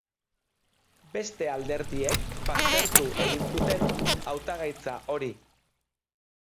Beste alderdiek baztertu egin zuten hautagaitza hori.